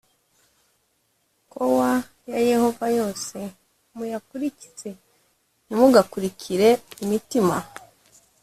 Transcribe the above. koa ya Yehova yose muyakurikize Ntimugakurikire imitima